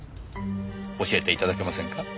教えて頂けませんか？